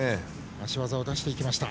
足技を出していきました。